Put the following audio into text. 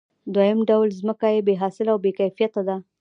دویم ډول ځمکه بې حاصله او بې کیفیته ده